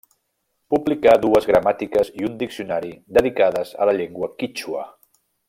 Publicà dues gramàtiques i un diccionari dedicades a la llengua quítxua.